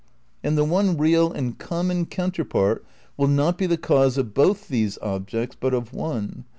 And the one real and common counterpart will not be the cause of both these objects but of one.